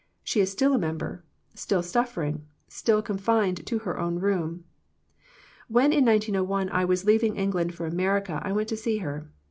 She is still a member, still suffering, still confined to her own room. When in 1901 I was leaving England for America I went to see her.